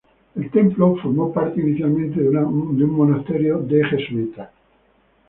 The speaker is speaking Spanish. El templo formó parte inicialmente de un monasterio para jesuitas.